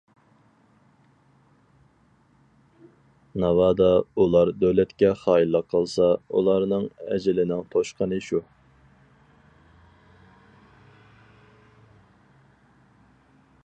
ناۋادا ئۇلار دۆلەتكە خائىنلىق قىلسا، ئۇلارنىڭ ئەجىلىنىڭ توشقىنى شۇ.